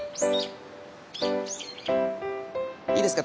いいですか？